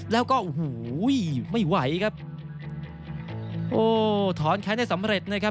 แล้วก็โอ้โหไม่ไหวครับโอ้ถอนแค้นได้สำเร็จนะครับ